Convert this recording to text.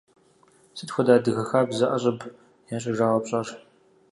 Сыт хуэдэ адыгэ хабзэ ӏэщӏыб ящӏыжауэ пщӏэр?